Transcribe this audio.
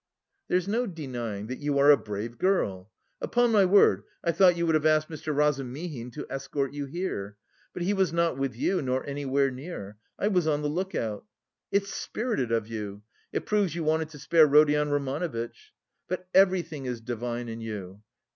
"There's no denying that you are a brave girl. Upon my word, I thought you would have asked Mr. Razumihin to escort you here. But he was not with you nor anywhere near. I was on the look out. It's spirited of you, it proves you wanted to spare Rodion Romanovitch. But everything is divine in you....